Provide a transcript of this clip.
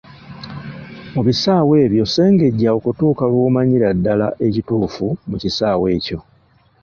Mu bisaawe ebyo sengejja okutuuka lw’omanyira ddala ekituufu mu kisaawe ekyo.